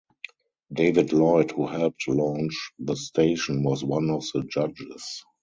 David Lloyd, who helped launch the station was one of the judges.